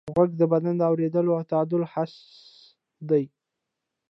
غوږ د بدن د اورېدو او تعادل حس دی.